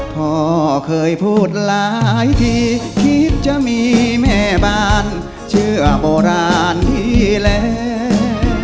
พ่อเคยพูดหลายทีคิดจะมีแม่บ้านเชื่อโบราณที่แล้ว